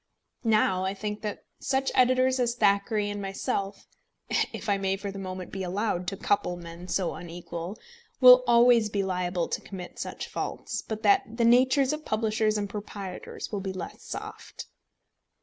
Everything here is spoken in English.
Now, I think that such editors as Thackeray and myself if I may for the moment be allowed to couple men so unequal will always be liable to commit such faults, but that the natures of publishers and proprietors will be less soft.